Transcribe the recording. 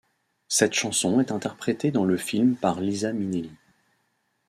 Cette chanson est interprétée dans le film par Liza Minnelli.